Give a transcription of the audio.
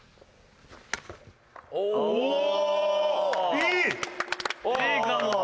いいかも。